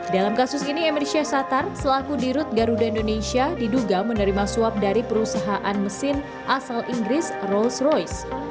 dalam kasus ini emir syah shatar selaku dirut garuda indonesia diduga menerima suap dari perusahaan mesin asal inggris rolls royce